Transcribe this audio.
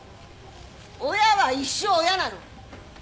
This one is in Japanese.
親は一生親なの。